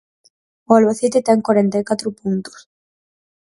O Albacete ten corenta e catro puntos.